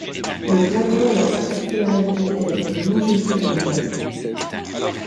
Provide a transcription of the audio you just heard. Le plateau a la particularité d'être longitudinal.